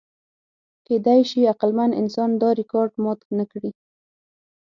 کېدی شي عقلمن انسان دا ریکارډ مات نهکړي.